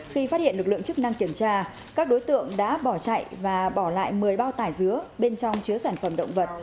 khi phát hiện lực lượng chức năng kiểm tra các đối tượng đã bỏ chạy và bỏ lại một mươi bao tải dứa bên trong chứa sản phẩm động vật